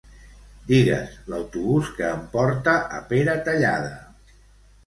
Digues l'autobús que em porta a Peratallada.